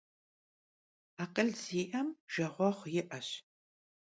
Akhıl zi'em jjeguegu yi'eş.